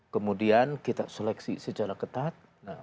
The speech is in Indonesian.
kemudian kita seleksi secara ketat